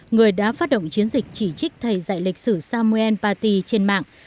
người đã phát động chiến dịch chỉ trích thầy dạy lịch sử samuel paty trên mạng